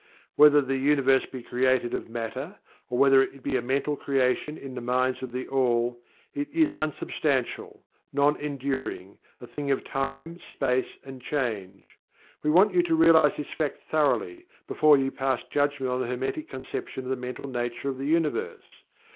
Whether the Universe be created of Matter, or whether it be a Mental Creation in the Mind of THE ALL it is unsubstantial, non enduring, a thing of time, space and change. We want you to realize this fact thoroughly, before you pass judgment on the Hermetic conception of the Mental nature of the Universe.